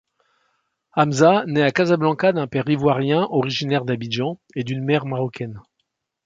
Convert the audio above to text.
Hamza naît à Casablanca d'un père ivoirien originaire d'Abidjan et d'une mère marocaine.